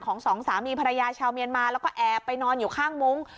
สองสามีภรรยาชาวเมียนมาแล้วก็แอบไปนอนอยู่ข้างมุ้ง